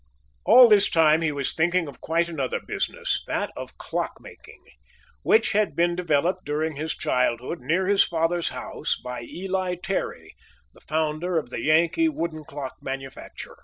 All this time he was thinking of quite another business, that of clock making, which had been developed during his childhood near his father's house, by Eli Terry, the founder of the Yankee wooden clock manufacture.